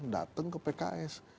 datang ke pks